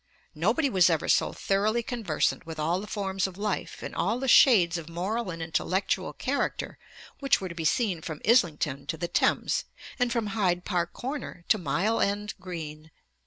Nobody was ever so thoroughly conversant with all the forms of life and all the shades of moral and intellectual character which were to be seen from Islington to the Thames, and from Hyde Park corner to Mile end green.